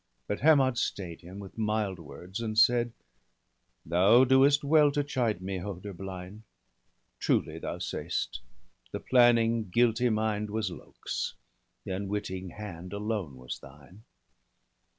But Hermod stay'd him with mild words, and said :—' Thou doest well to chide me, Hoder blind ! Truly thou say'st, the planning guilty mind Was Lok's; the unwitting hand alone was thine.